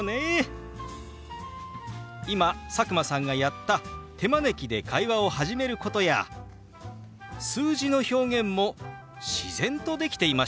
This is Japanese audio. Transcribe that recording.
今佐久間さんがやった手招きで会話を始めることや数字の表現も自然とできていましたよ。